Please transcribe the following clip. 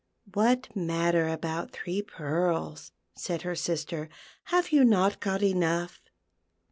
" What matter about three pearls," said her sister ;" have you not got enough